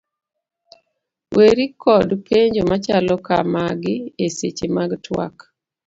Weri kod penjo machalo ka magi e seche mag tuak: